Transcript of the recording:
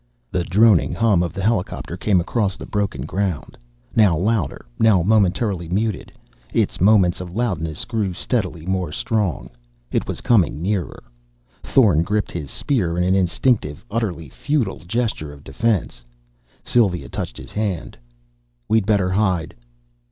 The droning hum of the helicopter came across the broken ground. Now louder, now momentarily muted, its moments of loudness grew steadily more strong. It was coming nearer. Thorn gripped his spear in an instinctive, utterly futile gesture of defense. Sylva touched his hand. "We'd better hide."